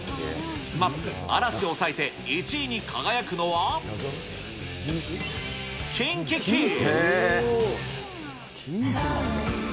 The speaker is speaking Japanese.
ＳＭＡＰ、嵐を抑えて１位に輝くのは、ＫｉｎＫｉＫｉｄｓ。